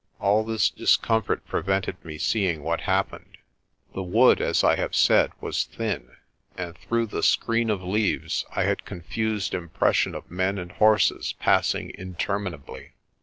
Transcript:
All this discomfort prevented me seeing what happened. The wood, as I have said, was thin, and through the screen of leaves I had confused impression of men and horses passing interminably.